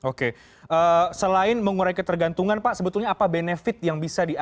oke selain mengurai ketergantungan pak sebetulnya apa benefit yang bisa diambil